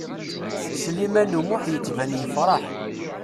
Sliman U Muḥ yettban yefṛeḥ.